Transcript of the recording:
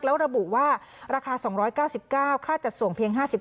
แล้วระบุว่าราคา๒๙๙ค่าจัดส่งเพียง๕๐